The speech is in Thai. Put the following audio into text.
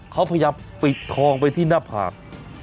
เขาพยายามปิดทองไปที่หน้าผาก